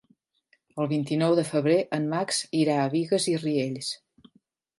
El vint-i-nou de febrer en Max irà a Bigues i Riells.